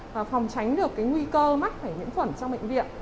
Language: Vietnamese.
và phòng tránh được nguy cơ mắc phải nhiễm khuẩn trong bệnh viện